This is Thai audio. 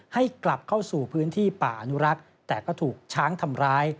ให้กลับเข้าสู่พื้นที่ป่าอนุรักษ์แต่ก็ถูกช้างทำร้าย